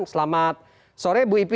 selamat sore bu ipi